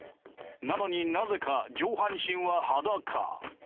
なのになぜか上半身は裸。